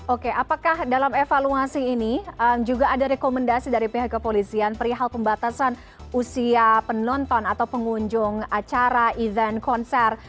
oke apakah dalam evaluasi ini juga ada rekomendasi dari pihak kepolisian perihal pembatasan usia penonton atau pengunjung acara event konser